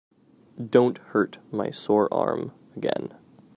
Don't hurt my sore arm again.